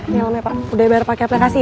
ya amai pak udah bayar pakai aplikasi ya